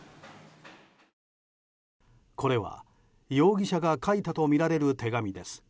これは容疑者が書いたとみられる手紙です。